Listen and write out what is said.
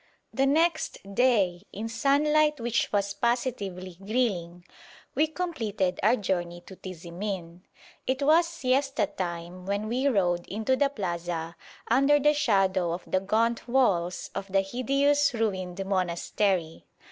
The next day, in sunlight which was positively grilling, we completed our journey to Tizimin. It was siesta time when we rode into the plaza under the shadow of the gaunt walls of the hideous ruined monastery.